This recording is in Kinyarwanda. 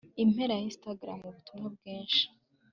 Impera ya Instagram ubutumwabwinshi